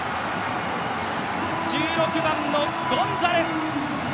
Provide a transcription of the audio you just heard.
１６番のゴンザレス！